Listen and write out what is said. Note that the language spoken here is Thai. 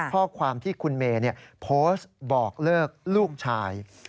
ข้อความที่คุณเมย์โพสต์บอกเลิกลูกชาย